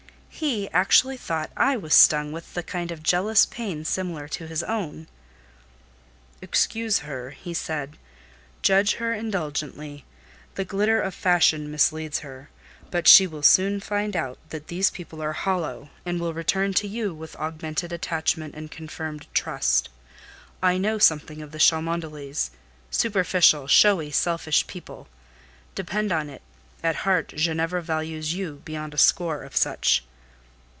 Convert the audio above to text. He actually thought I was stung with a kind of jealous pain similar to his own! "Excuse her," he said; "judge her indulgently; the glitter of fashion misleads her, but she will soon find out that these people are hollow, and will return to you with augmented attachment and confirmed trust. I know something of the Cholmondeleys: superficial, showy, selfish people; depend on it, at heart Ginevra values you beyond a score of such."